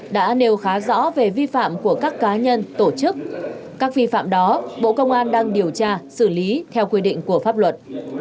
đã nêu khá rõ về vi phạm của các cá nhân tổ chức các vi phạm đó bộ công an đang điều tra xử lý theo quy định của pháp luật